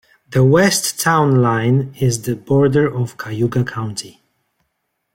The west town line is the border of Cayuga County.